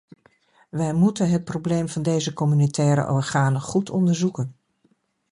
Wij moeten het probleem van deze communautaire organen goed onderzoeken.